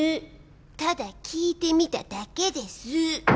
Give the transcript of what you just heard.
ただ聞いてみただけです。